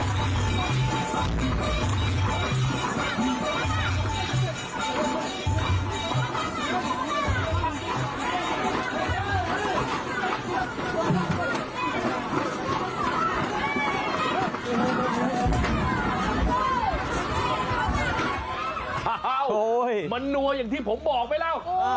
ตอนแรกนะครับโอ้โห้ยมันนัวอย่างที่ผมบอกไปแล้ว